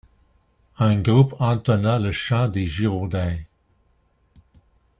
Un groupe entonna le chant des Girondins.